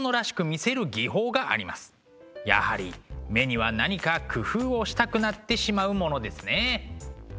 やはり目には何か工夫をしたくなってしまうものですね。